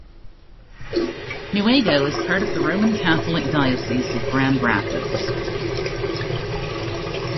Newaygo is part of the Roman Catholic Diocese of Grand Rapids.